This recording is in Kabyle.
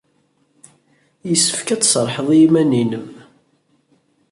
Yessefk ad tserrḥed i yiman-nnem.